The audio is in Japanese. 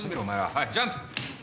はいジャンプ。